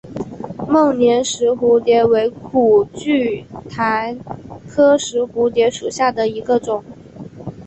孟连石蝴蝶为苦苣苔科石蝴蝶属下的一个种。